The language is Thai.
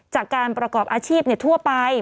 จากการประกอบอาชีพทั่วไป